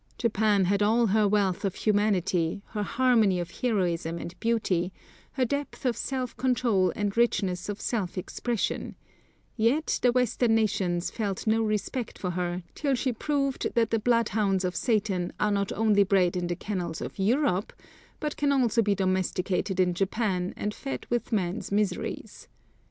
Japan had all her wealth of humanity, her harmony of heroism and beauty, her depth of self control and richness of self expression; yet the Western nations felt no respect for her, till she proved that the bloodhounds of Satan are not only bred in the kennels of Europe, but can also be domesticated in Japan and fed with man's miseries.